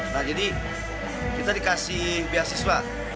nah jadi kita dikasih beasiswa